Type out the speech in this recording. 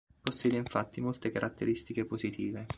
Possiede infatti molte caratteristiche positive.